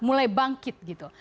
mulai bangkit gitu